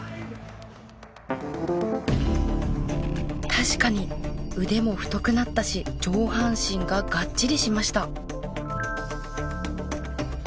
確かに腕も太くなったし上半身ががっちりしました。